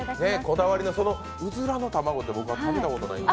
こだわりの、そのうずらの卵って僕は食べたことがない。